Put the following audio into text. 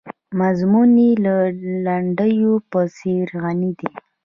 مضمون یې د لنډیو په څېر غني دی.